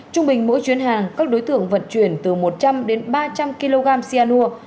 trung bình mỗi chuyến hàng các đối tượng vận chuyển từ một trăm linh đến ba trăm linh kg cyanur